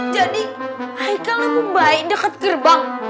jadi haikal lalu bayi dekat gerbang